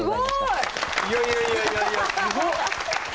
すごい！いやいやいやいやいやすごっ！